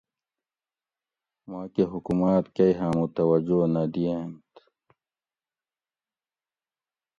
ماکہ حکومات کئی ہامو توجہ نہ دئینت